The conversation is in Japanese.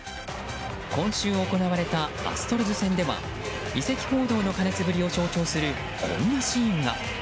今週行われたアストロズ戦では移籍報道の過熱ぶりを象徴するこんなシーンが。